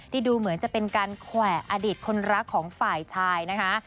ดูเหมือนจะเป็นการแขวะอดีตคนรักของฝ่ายชายนะคะ